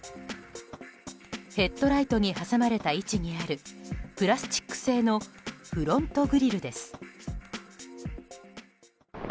ヘッドライトに挟まれた位置にあるプラスチック製のフロントグリルです。